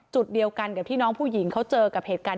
จุดเดียวกันกับที่น้องผู้หญิงเขาเจอกับเหตุการณ์